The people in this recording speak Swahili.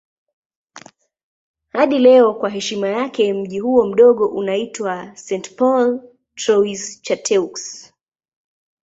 Hadi leo kwa heshima yake mji huo mdogo unaitwa St. Paul Trois-Chateaux.